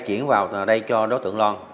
chuyển vào đây cho đối tượng loan